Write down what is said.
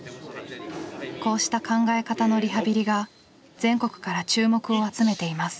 こうした考え方のリハビリが全国から注目を集めています。